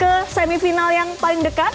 kita akan ke semifinal yang paling dekat